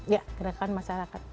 ya gerakan masyarakat